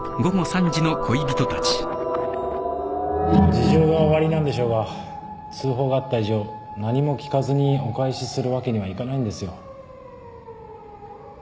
事情がおありなんでしょうが通報があった以上何も聞かずにお帰しするわけにはいかないんですよ。